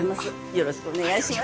よろしくお願いします